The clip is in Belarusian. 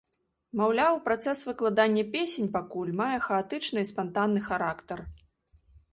Маўляў, працэс выкладання песень пакуль мае хаатычны і спантанны характар.